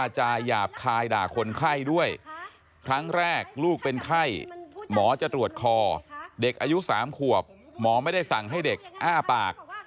จะตรวจคอเด็กอายุ๓ขวบหมอไม่ได้สั่งให้เด็กอ้าปาก